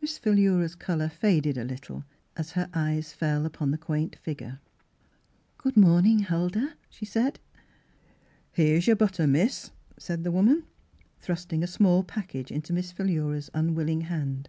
Miss Philura's colour faded a little as her eyes fell upon the quaint figure. " Good morning, Huldah," she said. a T J5 "Here's your butter, miss," said the. woman, thrusting a small package into Miss Philura's unwilling hand.